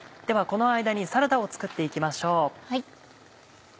この間にサラダを作って行きましょう。